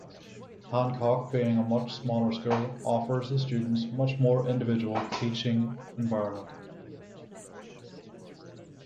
Hancock being a much smaller school offers the students much more individual teaching environment.